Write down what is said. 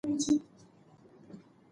تا به هم ګیلې کولای له اسمانه